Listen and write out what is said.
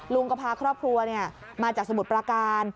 ลุงก็พาครอบครัวมาจากสมุทรปราการ